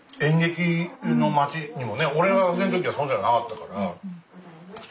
俺が学生の時はそうじゃなかったから。